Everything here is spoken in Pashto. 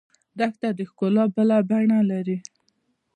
دښته د ښکلا بله بڼه لري.